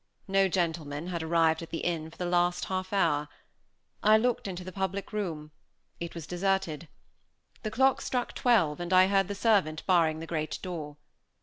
No gentleman had arrived at the inn for the last half hour. I looked into the public room. It was deserted. The clock struck twelve, and I heard the servant barring the great door.